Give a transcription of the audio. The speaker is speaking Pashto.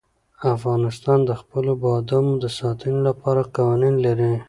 افغانستان د خپلو بادامو د ساتنې لپاره قوانین لري.